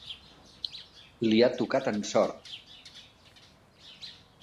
Li ha tocat en sort.